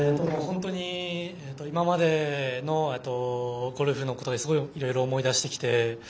今までのゴルフのことですごい、いろいろ思い出してきて。